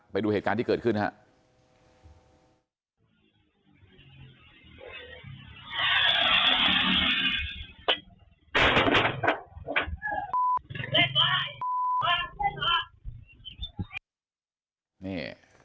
ไปดูเหตุการณ์ที่เกิดขึ้นนะครับ